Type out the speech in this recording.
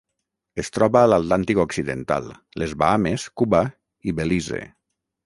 Es troba a l'Atlàntic occidental: les Bahames, Cuba i Belize.